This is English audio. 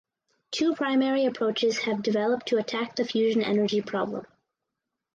Two primary approaches have developed to attack the fusion energy problem.